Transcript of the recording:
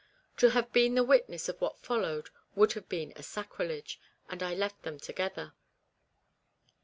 To have been the witness of what followed would have been a sacrilege, and I left them together.